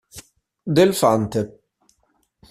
Del Fante.